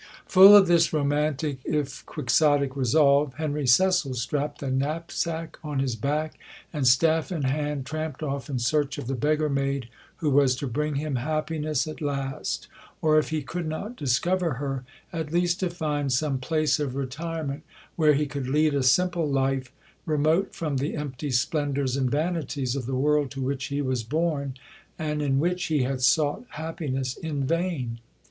'" Full of this romantic, if quixotic, resolve, Henry Cecil strapped a knapsack on his back, and, staff in hand, tramped off in search of the "beggar maid" who was to bring him happiness at last; or, if he could not discover her, at least to find some place of retirement where he could lead a simple life, remote from the empty splendours and vanities of the world to which he was born, and in which he had sought happiness in vain.